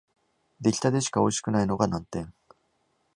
出来立てしかおいしくないのが難点